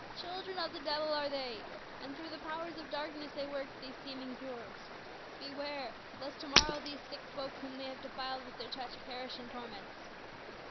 Children of the devil are they, and throuj^h the powers of darkness they work these seeming cures. Beware lest to morrow these sick folk whom they have defiled with their touch perish in torments."